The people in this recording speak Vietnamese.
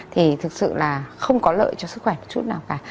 thì thực sự là không có lợi cho sức khỏe một chút nào cả